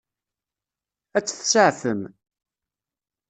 Ad tt-tseɛfem?